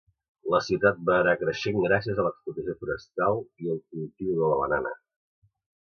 La ciutat va anar creixent gràcies a l'explotació forestal i el cultiu de la banana.